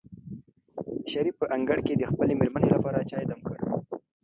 شریف په انګړ کې د خپلې مېرمنې لپاره چای دم کړ.